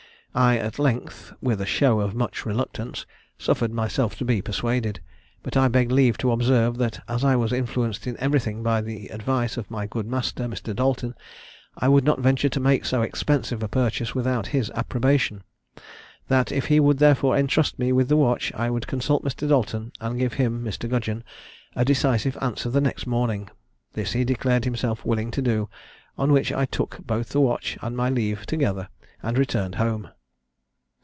I at length (with a show of much reluctance) suffered myself to be persuaded; but I begged leave to observe, that as I was influenced in everything by the advice of my good master, Mr. Dalton, I would not venture to make so extensive a purchase without his approbation: that, if he would therefore entrust me with the watch, I would consult Mr. Dalton, and give him (Mr. Gudgeon) a decisive answer the next morning: this he declared himself willing to do, on which I took both the watch and my leave together, and returned home.